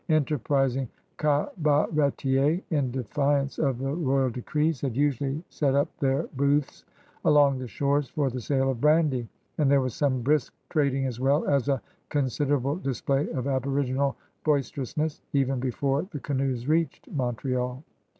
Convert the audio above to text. Enterprising cabaretiersy in defiance of the royal decrees, had usually set up their booths along the shores for the sale of brandy, and there was some brisk trading as well as a considerable display of aboriginal boisterousness even before the canoes r^eached Montreal.